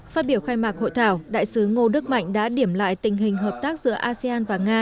phát biểu khai mạc hội thảo đại sứ ngô đức mạnh đã điểm lại tình hình hợp tác giữa asean và nga